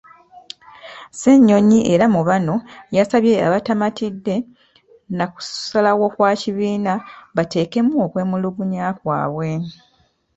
Ssenyonyi era mu bano yasabye abataamatidde na kusalawo kwa kibiina, bateekemu okwemulugunya kwabwe.